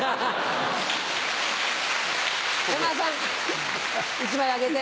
山田さん１枚あげて。